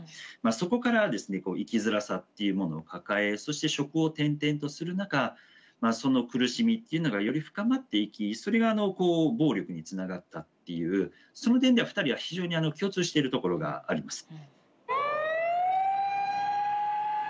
そこから生きづらさっていうものを抱えそして職を転々とする中その苦しみというのがより深まっていきそれが暴力につながったっていうその点では２人は非常に共通しているところがあります。